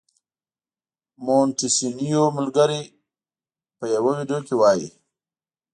مونټیسینویو ملګری په یوه ویډیو کې وايي.